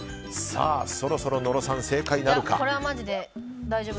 さあ、そろそろ野呂さん正解なるか。